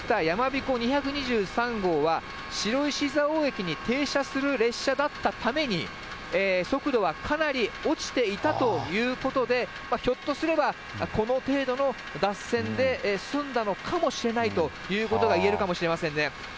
やまびこ２２３号は、白石蔵王駅に停車する列車だったために、速度はかなり落ちていたということで、ひょっとすればこの程度の脱線で済んだのかもしれないということが言えるかもしれませんね。